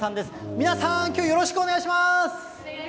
皆さん、きょうよろしくお願いします。